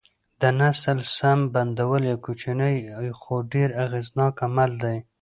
د نل سم بندول یو کوچنی خو ډېر اغېزناک عمل دی.